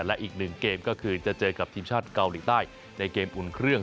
และอีกหนึ่งเกมก็คือจะเจอกับทีมชาติเกาหลีใต้ในเกมอุ่นเครื่อง